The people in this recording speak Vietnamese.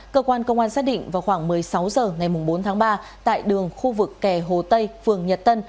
cơ quan công an xác định vào khoảng một mươi sáu h ngày bốn tháng ba tại đường khu vực kè hồ tây phường nhật tân